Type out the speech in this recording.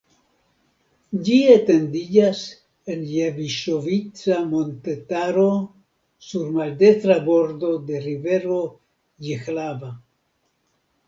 Ĝi etendiĝas en Jeviŝovica montetaro sur maldekstra bordo de rivero Jihlava.